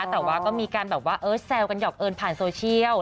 แต่ว่าก็มีการแบบว่าแซวกันหยอกเอิญผ่านโซเชียล